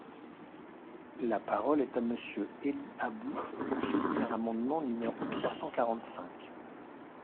La parole est à Monsieur Élie Aboud, pour soutenir l’amendement numéro trois cent quarante-cinq.